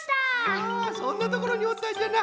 あそんなところにおったんじゃな。